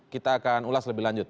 kita akan ulas lebih lanjut